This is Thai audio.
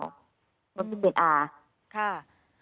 แล้วก็พี่เด็กอา